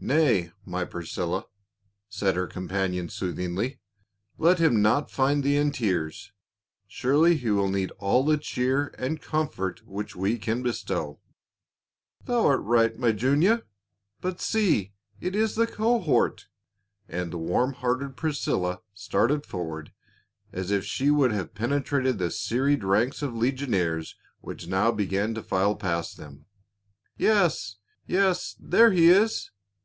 " Nay, my Priscilla," said her companion sooth ''READY TO BE OFFERED." 441 ingly, "let him not find thee in tears; surely he will need all the cheer and comfort which we can be stow." "Thou art right, my Junia. — But see it is the co hort!" and the warm hearted Priscilla started forward as if she would have penetrated the serried ranks of legionaries which now began to file past them. " Yes yes, there he is